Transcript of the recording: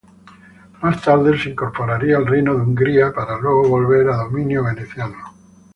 Más tarde se incorporaría al reino de Hungría, para luego volver a dominio veneciano.